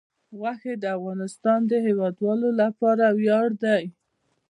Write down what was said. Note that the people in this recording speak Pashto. غوښې د افغانستان د هیوادوالو لپاره ویاړ دی.